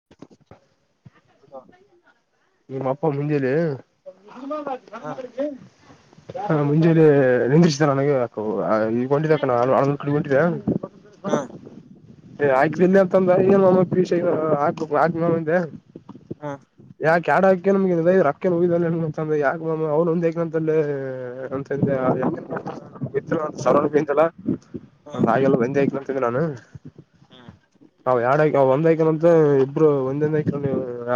[unintelligible] ನಿಮ್ ಅಪ್ಪ ಮುಂಜಲಿ ಹ ಮುಂಜೆ ನಿಂದಿಿಸಿದ್ದ ನನಗೆ ಅ ಈಗೊಂಡಿದ್ದ ಅ ನ ಆೊಂದು ಕಡೆ ಹೊೊಂಡಿದ್ದ [inaudible] ಹಾ ಏ ಹಾಕ್ ಬನ್ನೆ ಅಂತಂದ್ರ ಏನು ನಮ್ಮ ಪಷ ಹಾಕು ಹಾಕ್ ನಿಂದೆ ಹಾ [unintelligible] ಯಾ ಕ್ಯಾಡಗ್ ನಮಗೆ ರೊಕ್ಕ ಹಂತ್ರ ಯಾಕ ಅವ್ ಒಂದಂತ [unintelligible] [unintelligible] ಒ ಸರ್ ಹಾ ಬಂತಲ್ಲ ಒ ಆಲ್ಲ ಬಂದ ಆ ನಾನು ಹ್ಮ್ ಅವ ಎರಡ್ ಒಂದ್ಐಕಂತ ಒಬ್ರು ಒಂದಂದ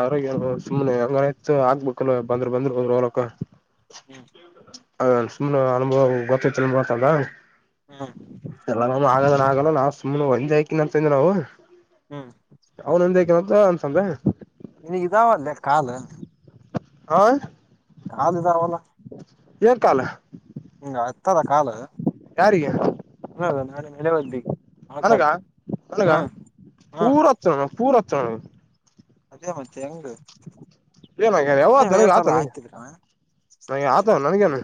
ಆರೋಗ್ಯ ಸುಮ್ನೆ ಹಂಗೈತ್ ಆಗ್ಬೇಕಲ್ವಾ ಬಂದ್ರು ಬಂದ್ರು- ಹೋ- ಹೋಲಕ ಹ್ಮ್ ಸುಮ್ನೆ ಅನುಭವ ಗೊತ್ತತ್ತುತಲ್ಲ. ಹ್ಮ್ ನಾಗ ನಾ ಸುನೆ ಒಂದ ಆಯ್ಕೆ ನಂತಂದವು. ಹ್ಮ್ ಅ -ಅಂತಂದ್ರೆ. ಇನಗೆ ಇದಾವ ಅಲ್ಲೆ ಕಾಲು ಹಾ ಕಾಲ್ದಾರವಲ್ಲ. ಏಕಾಲ. ಹ -ಹತ್ತದ ಕಾಲ ಯಾರಿಗೆ ನಾಳೆ ನಲೆ ಬರ್ಬೇಕ ಅನಗ ಅನಗ ಹ್ಮ್ ಪೂರ್ವೋತ್ತ ಪೂರ್ವ ಚನ. ಅದೇ ಮತ್ತೆ ಹೆಂಗು ಏನಾಗ್ಯ ಯಾವ ಸುಮ್ನೆ ನನಗ ವ್ಯವಥ ಆತ ಎಲ್ಲ ನನಗೆ ಆಯ್ತಿದೀರ. ನನಗೆ ಆತ ನನಗೇನು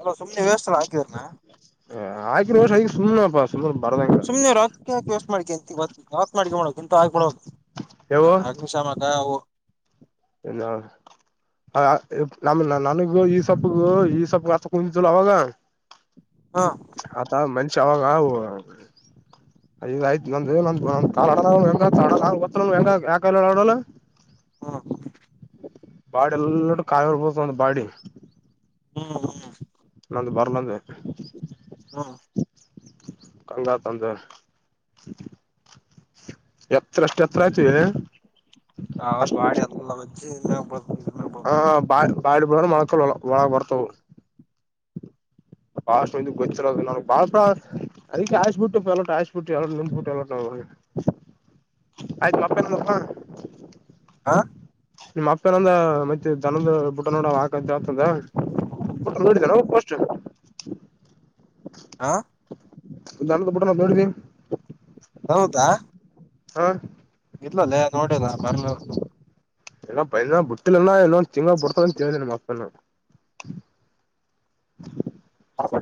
ಅಲೋ ಸುಮನೆ ವ್ಯವಸ್ಥಲ್ಲ ಹಾಕವರಣ. ಆಕಿ ಸುನಪ್ಪ. ಸುಮನೆ ರಾತ್ಕ ಹಾಕಿಸ್ ಮಾಡಿಂತಾತ್ ಮಾಡ ಮಾಡೋಳ ಎಂತ ಆಗಿ ಮಾಡೋಳದು. ಹ- ಅಗ್ನಿಶಾಮಕ ಅವು. ಎಲ್ಲಾ ನಮ ನನಗೂ ಈ ಸೊಬ್ಗೂ ಈ ಸೊಬ ಹತ್ತ ಕುಂತಿದಲ್ಲ ಅವಾಗ. ಹ ಹತಾ ಮಂಚ ಅವೆಲ್ಲಾ. [inaudible] ಯ್ತ್ುಂದ ಗೊ ಹೆಂಗ ಯಾಕಡ ಹ್ಮ್ ಬಾಡ ಎಲ್ಲ ಕಾಯಿರ್ಬೋದು ಒಂದು ಬಾಡಿ. ಹ್ಮ್ -ಹ್ಮ್ ನಂದು ಬರ್ಲಂದೆ. ಹ್ಮ್ ಕಂಗಾ ತಂದ ಎತ್ರ ಅಷ್ಟ್ ಎತ್ರ ಆಯ್ತು. ಹ -ಬಾಡಿ ಎಲ್ಲಿ [unintelligible] ಹಾ- ಬಾ- ಬಾ- ಬ್ರ- ಮಳಕ ಒಳಗ ಬರ್ತವು. ಬಾಷ್ಟ ಗೊಚ್ಚರ ನಾ ಬಾಳಾ. ಅದ ಕಾಯಿಸ್ಬ ಬಿಟ್ಟ ಎಲ್ಲ ಆಯಿಸ್ಬ ಬಿಟ್ಟು ಎಲ್ಲ ನಿಮಬಿಟ್ಟು ಎಲ್ಲೋ, ಆಯ್ತು ಅಪ್ಪ [unintelligible] ನಪ್ಪ ಹಾ ನಿಮ್ಮ್ ಅಪ್ಪನಂದ ಮತ್ತೆ ದನದ ಬುಟ್ಟ ನೋಡ. ಂತ ಆತಂದ ನೋಡಿದಾರ ಹೋಗಪ್ಪ ಅಷ್ಟ [unintelligible] ಆಾ ಒ- ಬಿುಡ ನ- ನೋಡಿ. ಹೌದಾ ಹಾ ಇಲ್ಲಲ್ಲೇ ನೋಡನಾ ಬರ್ಲ. ಎಲ್ಲ ಪ ಬಿಟ್ಟಿಲ್ಲ ಇಲ್ಲೊ ತೀಂಗಾ ಪಡ್ತ ಮಾತ. [unintelligible]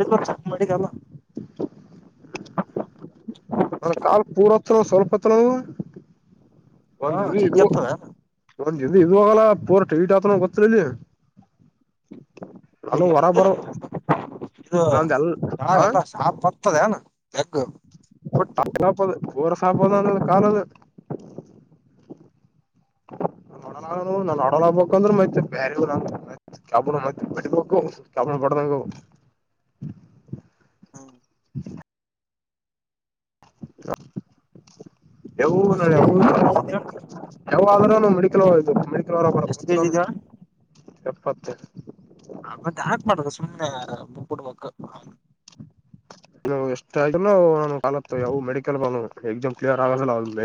ಡ ವರ್ ಚ ಮಾಡಿಕಲ್ಲ [unintelligible] ನನ್ ಕಾಲ್ ಪೂರ್ತ್ನ ಸ್ವಲ್ಪತ್ರನ. ಹಾ ಜಿಜ್ಸ್ತ ಒಂದ್ದ ಇದ ಹೋಗಲ್ಲ ಪೂರ್ ಟೀಟ್ ಆತನ ಗೊತ್ತ ಇಲ್ಲಿ. ಈ ನಾನು ಹೊರಬರ ಇದು ಚ ಎಲ್ಲ ಶಾ ಬರ್ತದೆ ಅನಾ ಅ ಸಾಪ ಊ ಸಾಪದ ಅಂದ ಕಾಲ ಅದಲ್ಲಿ. ಡ -ನಾನ್ಡ ಆಗ್ಬೇಕ ಅಂದ್ರೆ ಮೈತ್ತ ಬೇ ಕ ಮತ್ತಟ್ಟೋಗ ಕಪ ಪಡ್ದಂಗ [unintelligible] ಎಷ್ಟ ಯಾವ್ನು ಕೆಜಿ ಯಾವನ್ನು ಯಾವಾದ್ರೂನು ಮೆಡಿಕಲ್ ಇ ಮೆಡಿಕಲ್ ಅವರ ಬರ ಎಷ್ಟ್ ಕೆಜಿ ಮನು ಇದ ಎಪ್ಪತ್ತ ಮತ್ತೆ ಯಾಕ್ ಮಾಡುದು ಸುಮ್ನೆ [inaudible] [inaudible] ಎಷ್ಟ [unintelligible] ಯಾವು ಮೆಡಿಕಲ್ [unintelligible] ಎಕ್ಸಾಮ್ ಕ್ಲಿಯರ್ ಆಗ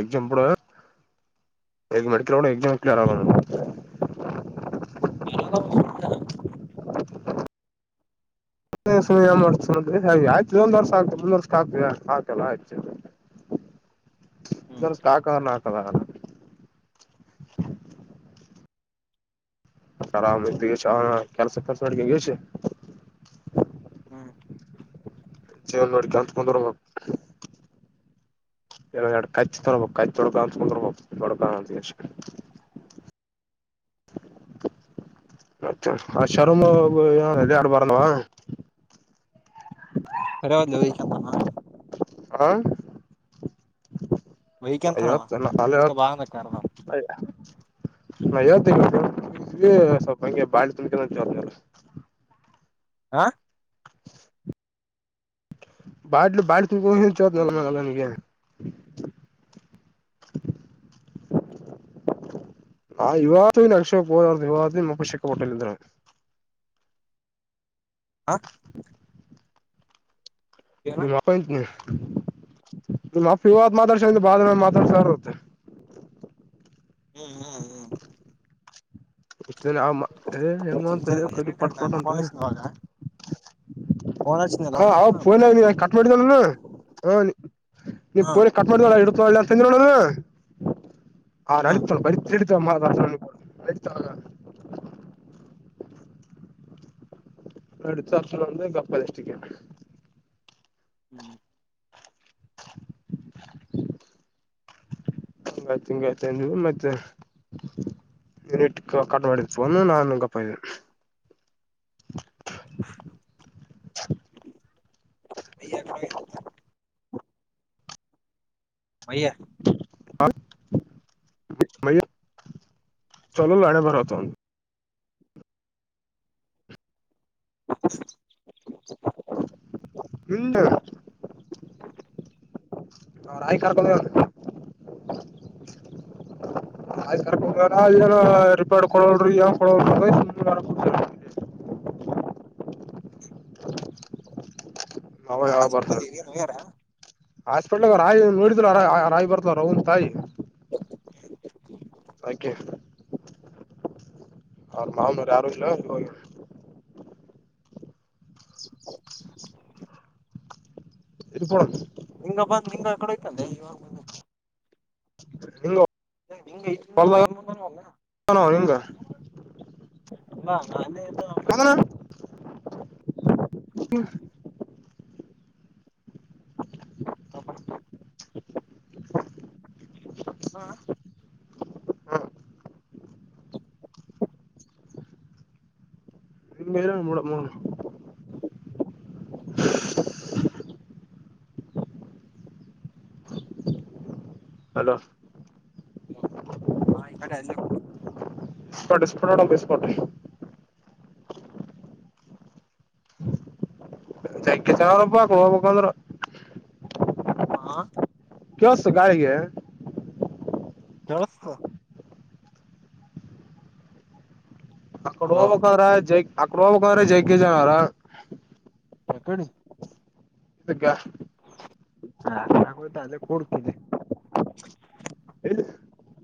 ಎಕ್ಸಾಮ್ ಕೂಡ [unintelligible] [unintelligible] [unintelligible] [inaudible] [unintelligible] ಆರಾಮ ಇದಿಗಿ ಹ ಕೆಲಸ ಕೆಸ ಮಾಡಡಿಗೆ ಗೆಸಿ [inaudible] ಜೀವನ್ ನೋಡ್ಕ ಅಂತ್ ಕುಂದಿರ್ಬೇಕು ಇಏ ಎರಡು ಕಚ್ಚ ತೊಬೋ ಕಚ್ಚ್ ತೊಡ್ಕ ಅಂತಕೊಂಡಬೋ ತೊಡ್ಕ ಅಂತ ಎಷ್ಟ [inaudible] ಮತ್ತೆ ಆ ಶರ್ಮ [unintelligible] ಆಡು ಬಾರವ [unintelligible] ಲವಿಕ ತಮ್ಮ ಹಾ ವೈಕ್ಯಂತನ ಅವ ಹೇಳ್ತಿನೋ ಅದಕ್ಕೆ ಬಾ ಅಂದ ಕರ್ದ [unintelligible] ನಾ ಹೇಳ್ತಿನಿ ಸ್ವಲ್ಪ ಹಂಗೆ ಬಾಳ [unintelligible] ಹಾ ಬಾಟಲ್ ಬಾ [unintelligible] ಹ್ಮ್ ನಿನ್ಗೆ [inaudible] ನಾ ಇವತ್ತು ನನ್ಕ್ಷೋದಾರ್ರ್ದ ವಿವ ಮುಪ್ಪ ಶೆಕ್ಕ ಪಟ್ಟಲ್ಲಿಂದ್ರ [inaudible] ಏನ ನೀ ಮತಂಕಿ ನಿಮ್ಮ ಅಪ್ಪ ಇವತ್ ಮಾತಾಡ್ಸ ಬಾದ ಮೇಲೆ ಮಾತಾಡ್ಸತ್ತೆ ಹ್ಮ್ ಹ್ಮ್ [inaudible] ಇಷ್ಟ ದಿನ ಆ ಏ ಹೆಮ್ಮ ಅಂತಲ್ಲಿ ಕಟ್ಟ ಪಟ್ಕಟ್ಟಂತ ಹ್ಮ್ ಫೋನ್ ಹಚ್ಚಿದ್ನಲ್ಲ ಅವಾಗ ಫೋನ್ ಹಚ್ಚಿದ್ನಲ್ಲ ಹ ಅವ ಅವಾಗ ಫೋನ್ ಆಗ ನೀ ಫಸ್ಟಿಗೆ ಕಟ್ ಮಾಡಿದ್ನು [unintelligible] ಹಾ [unintelligible] [unintelligible] ನಡತ ಒಂದು ಗಪ್ಪ ದಷ್ಟಿಗೆ ಹ್ಮ್ [inaudible] ಮತ್ತೆ ಇಂಗೆತನು ಮತ್ತೆ ಟ್ ಕಟ್ ಮಾಡಿದ್ಫೋನ್ ನಾನು ಗಪ್ಪ ಇದೆ [unintelligible] [inaudible] [unintelligible] ಮಯ್ಯ ಹಾ [unintelligible] ನಾಳೆ ಬರೋತೋ [inaudible] ಹಿಂದ ಅವ್ರ ಆಯ ಕರ್ಕೊಂಡ ಆಯ್ ಕ ರ್ಕೊಂಡೋಗಾರ [unintelligible] [unintelligible] ಹಾಸ್ಪಿಟಲ್ಗೆ ಇಗೆ ಹೋಗ್ಯಾರ ಹಾಸ್ಪಿಟ್ಲ್ಗ ರಾಯಿ ನೋಡಿದ ರ ರಾಯಿ ಬರ್ತವ ಅವ್ರ್ ವನ್ ತಾಯಿ ಆಯಿಕೆ ಅವ್ರ [unintelligible] ಮಾವನರು ಯಾರು ಇಲ್ಲ [inaudible] ಇದು ಕೊಡ ನಿಂಗ ಬಂದ್ ನಿಂಗಕಡೋಯ್ತಲ್ಲೆ ಇವಾಗ ಬಂದ್. ನಿ ನಿಂಗ ಇ ನಲ್ಲ [unintelligible] ಅಲ್ಲ [unintelligible] ಹಿಂಗ ನಾ ಅಲ್ಲೆ ಇದ್ದ ಅವ್ನಬಲ್ಲಿ. ಹ ಹ [unintelligible] ಹಾ ಹ್ಮ್ ನಿಂಗ ಡ ಮಣ [unintelligible] [inaudible] ಹಲೋ ಹಾ ಈ ಕಡೆ [unintelligible] ಅಲ್ಲ [unintelligible] ಸ್ಟ ಸ್ಫೋಟೋಡ ಸ್ಪೋಟ ಜಕ್ಕೆ [unintelligible] ಚಬಕ್ ಹೋಬೇಕಾದ್ರ. ಹಾ ಕೆಳಸ್ತು ಗಾಳಿಗೆ. ಕೆಳಸ್ತದ. ಅಕಡ ಹಲೋ ಹೋಬೇಕಾದ್ರ ಜೈ ಅಕಡ ಹೋಗ್ಬೇಕ್ರ ಜಗ್ಗಿ [unintelligible] ಕೆ ಜನಾರ ಎಕಡಿ. ಇದಕ್ಕ ಆ ನಗು ತಲೆ ಗುಡ್ ಕಿವಿ [inaudible]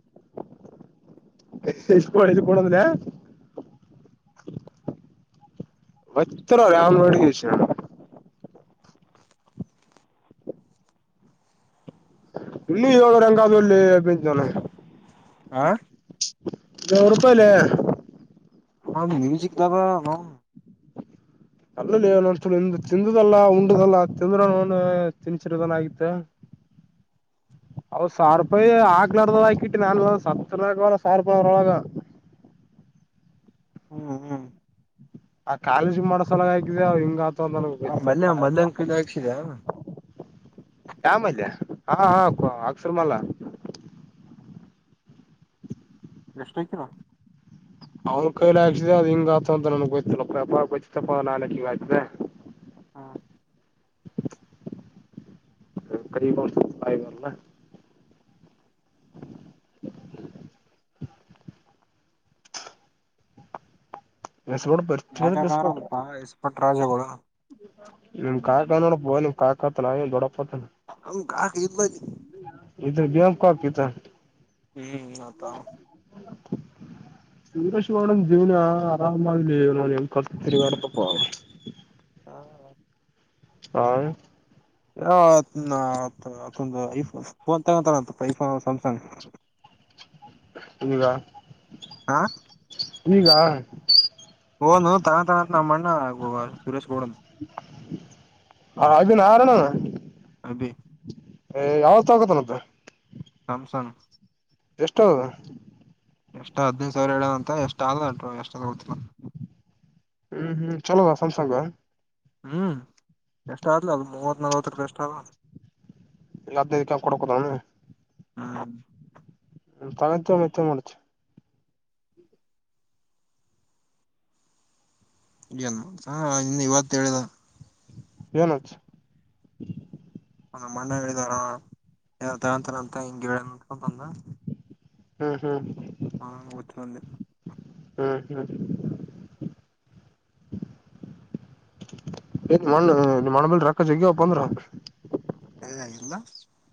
ಎಷ್ಟು ಎಷ್ಟುದು ಕೊಡಂದ್ರೆ ಒತ್ರ ರಾಮನೋಡುಗಿಶ [unintelligible] ಇಏಳ ರಂಗಾದ ಒಳ್ಳಿ ಬೆಂ ಆ ನುರುಪಾಯಿಲೆ. ಹಾ ಮ್ಯೂಜಿಕ್ದಾಗ [unintelligible] ಅಲ್ಲಲೆ [unintelligible] ನೋಡ್ಸ ತಿಂದುದಲ್ಲ ಉಂಡುದಲ್ಲಾ ತಿಂದ್ರ ತಿನತಿರದನ್ ಆಗತ್ತ. [inaudible] ಅವು ಸಾವಿರ ರೂಪಾಯಿ ಹಾಕ್ಲಾರದಾಕಿಟ್ಟಿನಿ [unintelligible] ಸತ್ತರಗ ಸಾವಿರ ರೂಪಾಯಿರೊಳಗ. [inaudible] ಹ್ಮ್ ಹ್ಮ್ ಆ ಕಾಲೇಜ ಮಾಡೋ ಸಲ್ವಾಗ ಹಾಕಿದೇವ್ ಹಿಂಗಾ ೊಂದ ಆ ಮಲ್ಯ ಪ [unintelligible] ಾ ಮಲ್ಯನ್ ಕೈಲಿ ಹಾಕ್ಸಿದ ಯಾ ಮಲ್ಲ್ಯ ಹಾ ಹಾ ಅಕ್ಷರ್ಮಲ್ಲ. ಎಸ್ಟೈತೋ ಅವ್ನ್ ಕೈಲಿ ಹಾಕ್ಸಿದೇವ್ ಅದ ಹಿಂಗ ಆತ ಅಂತ ನನ್ಗ್ ಗೊತ್ತಿಲ್ಲಪ್ಪ [unintelligible] ಗೊತ್ತತ್ತಪ್ಪ ನಾನ್ಯಾಕ ಹಿಂಗ ಆಯ್ತಿದೆ. ಹಾ ಕರಿಗ [unintelligible] ದಲ್ಲ ಹೇ ಸೂಪರ್ ಸರಿಗೆ ಬಿಡಿಸಬೇಕು ಯಾರ್ಯಾರಲ್ಪ ಎಸ್ಪಟ್ ರಾಜಗಳು ನಿಮ್ ಕಾಕಾ ನೋಡಪೊ ನಿಮ್ ಕಾಕಾತ್ ಏನ್ ನ ದೊಡ್ಡಪ್. ಅವು ಕಾಕ [unintelligible] ಇಲ ನೀ ಇದು [unintelligible] ಗಾಮ ಕಿತ ಹ್ಮ್ ಆತ ವೀರೇಶ್ ಗೌಡನ ಜೀವನ ಆರಾಮ ಆಲಿ ನ [unintelligible] ತಿರಗಡತಪ್ಪ. ಹಾ ಯ ಆತನ ಆತ ಆತೊಂದ ಐಫೋನ್ ಫೋನ್ ತಗೊಂತ ಐಫೋನ್ ಸ್ಯಾಮ್ಸಂಗ್. ಈಗ ಆ ಈಗ ಫೋನ್ ತಗಂಡಂಥ ನಮ್ಮಣ್ಣ ಸುರೇಶ್ ಗೌಡ ಹ ಅದ ನ ಆರಣ ಅಬೇ ಏ ಯಾವ ತ ಆಕತ್ತನ್ದ ಸ್ಯಾಮಸಂಗ್ ಎಷ್ಟೌದ ಎಷ್ಟ್ ಹದಿನೈದು ಸಾವಿರ ಹೇಳದ ಅಂತ ಎಷ್ಟ್ ಆಲ್ಂಟ ಎಷ್ಟ ಗೊತ್ತಿಲ್ಲ ಹ್ಮ್ ಹ್ಮ್ ಚಲೋದ ಸ್ಯಾಮ್ಸಂಗ್ ಹ್ಮ್ ಎಷ್ಟ ಆ್ಲ ಅದು ಮೂವತ್ ನಲ್ವತ್ತು ರೂಪಿ ಎಷ್ಟ ಆ ಎಲ್ಲ್ದ ಇದಕ ಕೊಡಕೋುದ ಹ್ಮ್ ತ ಮತ್ತ ಮಾಡಡಚು ನು ಹ ಇನ್ನು ಇವತ್ತು ಹೇಳಿದ ಏನುಚ್ ಒಂದ ಮ್ಣೆ ಹೇಳಿದಾರ ತರ ತರ ಅಂತ ಹಿಂಗಗೆ ಹೇಳ ಬಂದ ಹ್ಮ್ ಹ್ಮ್ ಹಾ ಒತ್ತಂದ ಹಾ ಹಾ ಏ ಮಣ್ಣ ಮಣಬಳ ರಕ್ಕ ಜಗ ಪಂದ್ರ ಸರಿ ಆಾಗಿಲ್ಲ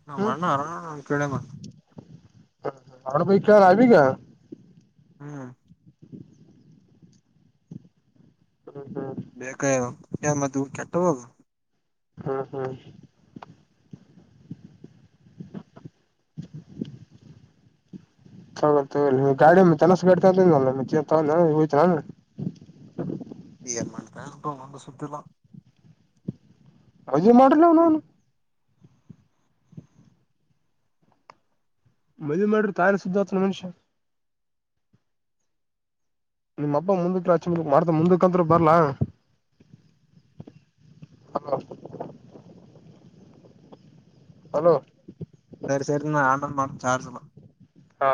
ನಾ ಅಣ್ಣ ಆರಾಮ ಕೇಳ ಮಾಡ್ ಹ ಹಾರ ಬೈ ಚಾರ ಆಗ ಹ್ಮ [unintelligible] ಹ ಬೇಕ ಮ ಕೆಟ್ಟ ಬಬ ಹಾ ಹಾ [inaudible] ತಗ ಗಾಡಿ ತಲಸ ಗಾಡಿ ತ ಹಯ್ತನ ಹ ಈ ಎ ಮಾಡತ ತ ಒಂದು ಸುತ್ತಿಲ್ಲಾ ಅವಜ ಮಾಡ್ರಲ ನ ಅವನು ಮದ್ೆ ಮಾಡ್ರಿ ತಾನ ಸುದ್ದ ಆತ್ರ ಮನುಷ್ಯ ನಿಮ್ಮ್ ಹಬ್ ಮುಂದತ್ರಚ ಮು ಮಾಡ್ತ ಮುಂದಕ್ಕಂ ಬರ್ಲ ಹಲೋ ಹಲೋ ಚಾರ್ ಸಮಲ ಹಾ